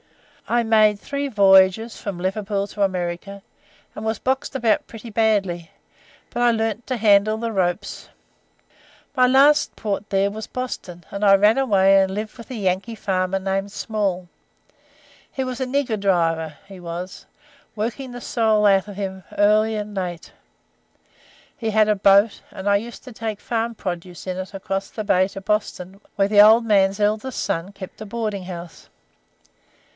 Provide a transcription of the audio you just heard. I made three voyages from Liverpool to America, and was boxed about pretty badly, but I learned to handle the ropes. My last port there was Boston, and I ran away and lived with a Yankee farmer named Small. He was a nigger driver, he was, working the soul out of him early and late. He had a boat, and I used to take farm produce in it across the bay to Boston, where the old man's eldest son kept a boarding house.